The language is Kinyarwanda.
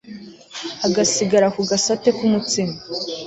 Agasigara ku gasate kumutsima